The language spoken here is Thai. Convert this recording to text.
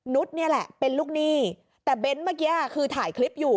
นี่แหละเป็นลูกหนี้แต่เบ้นเมื่อกี้คือถ่ายคลิปอยู่